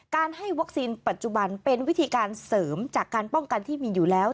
ให้วัคซีนปัจจุบันเป็นวิธีการเสริมจากการป้องกันที่มีอยู่แล้ว